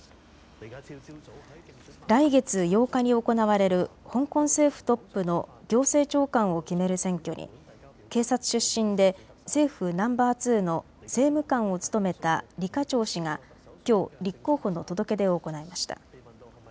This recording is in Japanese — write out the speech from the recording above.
来月８日に行われる香港政府トップの行政長官を決める選挙に警察出身で政府ナンバー２の政務官を務めた李家超氏がきょう、立候補の届け出を行いました。